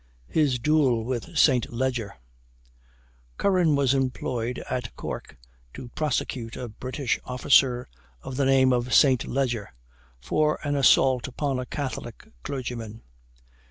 HIS DUEL WITH ST. LEGER. Curran was employed at Cork to prosecute a British officer of the name of St. Leger, for an assault upon a Catholic clergyman.